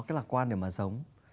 cái lạc quan để mà sống